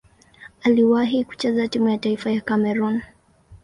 Aliwahi kucheza timu ya taifa ya Kamerun.